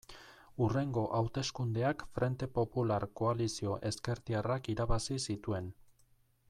Hurrengo hauteskundeak Frente Popular koalizio ezkertiarrak irabazi zituen.